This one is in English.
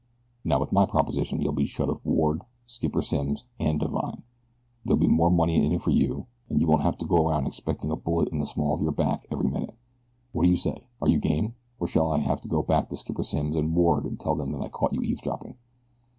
"Now, with my proposition you'll be shut of Ward, Skipper Simms, and Divine. There'll be more money in it for you, an' you won't have to go around expecting a bullet in the small of your back every minute. What do you say? Are you game, or shall I have to go back to Skipper Simms and Ward and tell them that I caught you eavesdropping?"